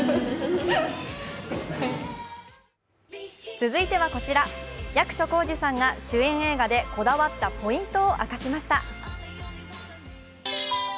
続いてはこちら、役所広司さんが主演映画でこだわったポイントを明かしました。